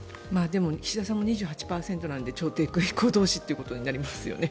岸田さんは２８％なので超低空飛行同士ということになりますよね。